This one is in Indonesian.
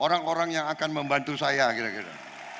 orang orang yang akan membantu saya kira kira